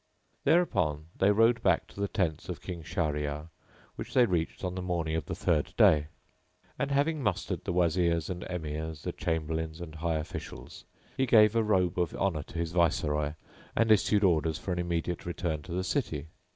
Thereupon they rode back to the tents of King Shahryar, which they reached on the morning of the third day; and, having mustered the Wazirs and Emirs, the Chamberlains and high officials, he gave a robe of honour to his Viceroy and issued orders for an immediate return to the city.